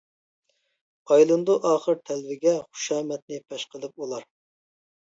ئايلىنىدۇ ئاخىر تەلۋىگە، خۇشامەتنى پەش قىلىپ ئۇلار.